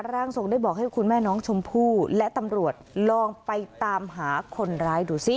ร่างทรงได้บอกให้คุณแม่น้องชมพู่และตำรวจลองไปตามหาคนร้ายดูสิ